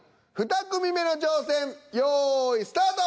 ２組目の挑戦用意スタート！